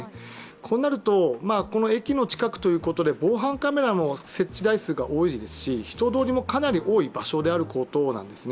こうなると、この駅の近くということで防犯カメラの設置台数が多いですし人通りもかなり多い場所であることなんですね。